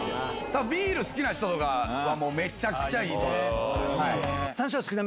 ビール好きな人とかめちゃくちゃいいと思います。